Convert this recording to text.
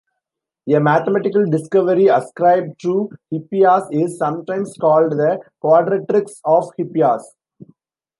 A mathematical discovery ascribed to Hippias is sometimes called the quadratrix of Hippias.